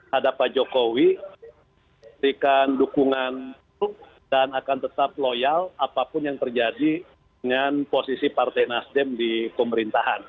hadap pak jokowi berikan dukungan dan akan tetap loyal apapun yang terjadi dengan posisi partai nasdem di pemerintahan